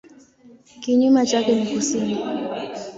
Kinyume chake ni kusini.